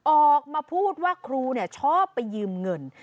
ออกมาพูดว่าครูชอบไปยืมเงิน